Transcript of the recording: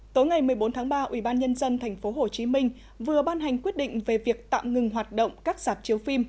tối ngày một mươi bốn tháng ba ubnd tp hcm vừa ban hành quyết định về việc tạm ngừng hoạt động các sạp chiếu phim